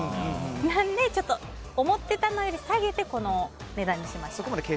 なのでちょっと思ってたのより下げてこの値段にしました。